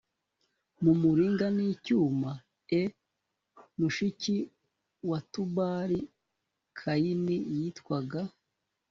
mu muringa n icyuma e mushiki wa tubali kayini yitwaga